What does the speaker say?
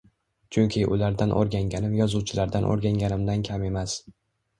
Chunki ulardan oʻrganganim yozuvchilardan oʻrganganimdan kam emas